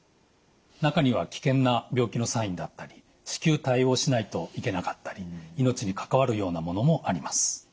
中には危険な病気のサインだったり至急対応しないといけなかったり命に関わるようなものもあります。